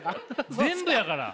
全部やから！